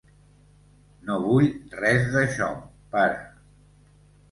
No vull res d'això, pare.